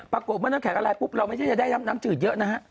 ปรากฏว่าถ้าแข็งละลายเราไม่ได้ได้น้ำจืดเยอะนะฮะ